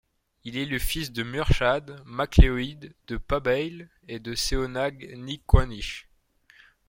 Il est le fils de Murchadh Macleòid, de Pàbail, et de Seonag NicCoinnich.